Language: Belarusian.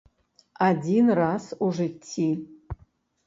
Адзін раз у жыцці.